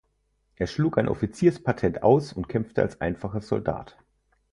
Er schlug ein Offizierspatent aus und kämpfte als einfacher Soldat.